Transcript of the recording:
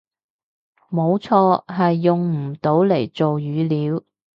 冇錯，係用唔到嚟做語料